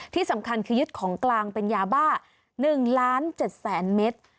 ที่สำคัญคือยึดของกลางเป็นยาบ้า๑ล้าน๗แสนเมตร